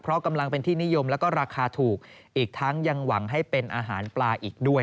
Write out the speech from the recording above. เพราะกำลังเป็นที่นิยมแล้วก็ราคาถูกอีกทั้งยังหวังให้เป็นอาหารปลาอีกด้วย